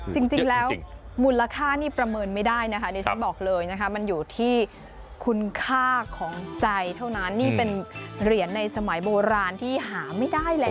จริงแล้วมูลค่านี่ประเมินไม่ได้นะคะดิฉันบอกเลยนะคะมันอยู่ที่คุณค่าของใจเท่านั้นนี่เป็นเหรียญในสมัยโบราณที่หาไม่ได้แล้ว